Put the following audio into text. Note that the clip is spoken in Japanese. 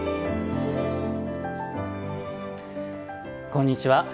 こんにちは。